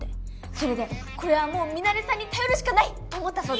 それでこれはもうミナレさんに頼るしかないと思ったそうです。